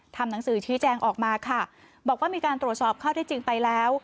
ทำหนังสือชี้แจงออกมาค่ะบอกว่ามีการตรวจสอบข้อที่จริงไปแล้ว